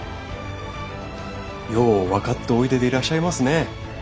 よう分かっておいででいらっしゃいますね。